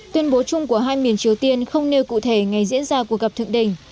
tuyên bố chung của hai miền triều tiên không nêu cụ thể ngày diễn ra cuộc gặp thượng đỉnh